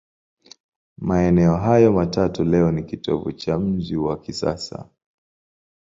Maeneo hayo matatu leo ni kitovu cha mji wa kisasa.